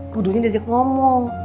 kudunya diajak ngomong